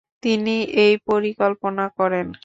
তিনি এই পরিকল্পনা করেন।